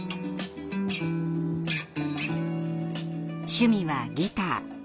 趣味はギター。